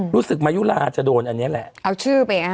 รู้สึกมายุลาจะโดนอันนี้แหละเอาชื่อไปให้